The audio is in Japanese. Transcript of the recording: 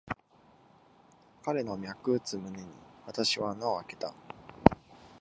彼の脈打つ胸に、私は穴をあけた。